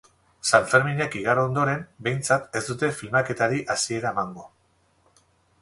Sanferminak igaro ondoren, behintzat, ez dute filmaketari hasiera emango.